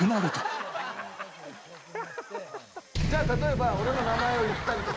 じゃあ例えば俺の名前を言ったりとかするわけ。